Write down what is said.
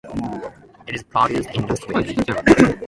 It is produced industrially.